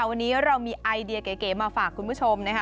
วันนี้เรามีไอเดียเก๋มาฝากคุณผู้ชมนะคะ